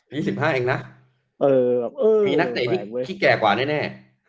๒๕เองนะมีนักเตะที่แก่กว่าแน่